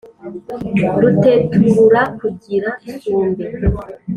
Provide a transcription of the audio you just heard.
ruteturura kugira isumbe,